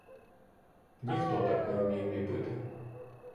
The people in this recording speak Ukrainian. Ніхто так не вмів ліпити.